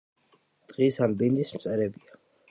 დღის ან ბინდის მწერებია.